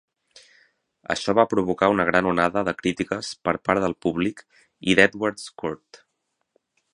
Això va provocar una gran onada de crítiques per part del públic i d'Edward's Court.